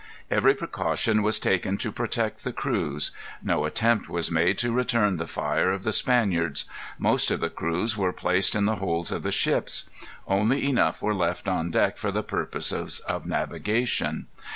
Every precaution was taken to protect the crews. No attempt was made to return the fire of the Spaniards. Most of the crews were placed in the holds of the ships. Only enough were left on deck for the purpose of navigation.